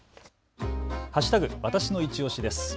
わたしのいちオシです。